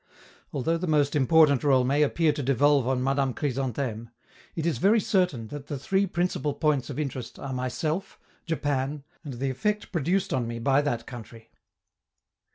Although the most important role may appear to devolve on Madame Chrysantheme, it is very certain that the three principal points of interest are myself, Japan, and the effect produced on me by that country.